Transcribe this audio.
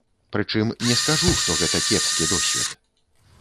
Прычым, не скажу, што гэта кепскі досвед.